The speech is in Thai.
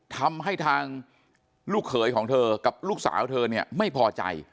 ทำให้ทางลูกเขยของเธอกับลูกสาวเธอเนี่ยไม่พอใจ